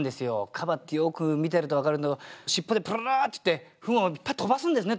河馬ってよく見てると分かるんだけど尻尾でプルルッていって糞を飛ばすんですね